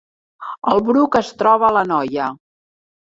El Bruc es troba a l’Anoia